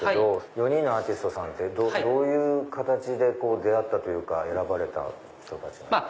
４人のアーティストさんってどういう形で出会ったというか選ばれた人たちなんですか？